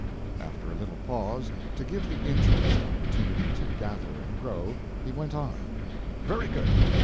After a little pause to give the interest opportunity to gather and grow, he went on: "Very good.